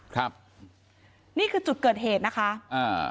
ครับนี่คือจุดเกิดเหตุนะคะอ่า